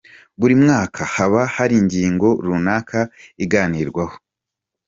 Buri mwaka haba hari ingingo runaka iganirwaho.